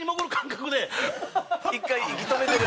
１回息止めてる。